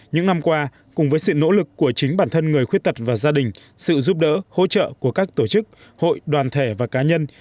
những năm qua cùng với sự nỗ lực của chính bản thân người khuyết tật và gia đình sự giúp đỡ hỗ trợ của các tổ chức hội đoàn thể và cá nhân